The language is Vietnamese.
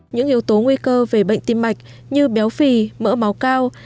những yếu tố nguy cơ về bệnh tim mạch như béo phì mỡ máu cao